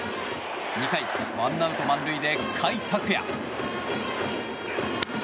２回、１アウト満塁で甲斐拓也。